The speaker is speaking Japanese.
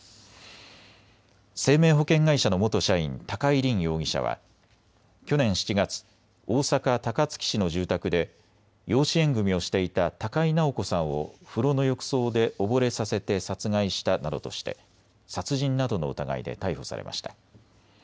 生命保険会社の元社員、高井凜容疑者は去年７月、大阪高槻市の住宅で養子縁組みをしていた高井直子さんを風呂の浴槽で溺れさせて殺害したなどとして殺人などの疑いで逮捕されました。